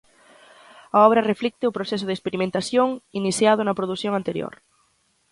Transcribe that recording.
A obra reflicte o proceso de experimentación iniciado na produción anterior.